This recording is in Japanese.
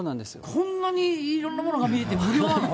こんなにいろんなものが見えて、無料なの？